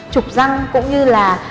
trục răng cũng như là